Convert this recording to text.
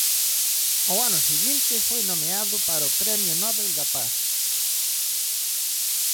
Ao ano seguinte foi nomeado para o Premio Nobel da Paz.